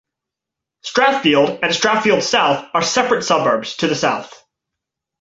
Strathfield and Strathfield South are separate suburbs, to the south.